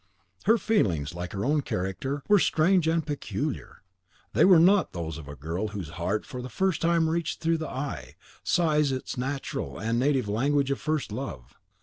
Her feelings, like her own character, were strange and peculiar. They were not those of a girl whose heart, for the first time reached through the eye, sighs its natural and native language of first love.